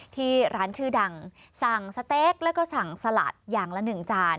ที่ร้านชื่อดังสั่งสเต๊กแล้วก็สั่งสลัดอย่างละ๑จาน